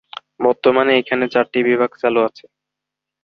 বর্তমানে এখানে চারটি বিভাগ চালু আছে।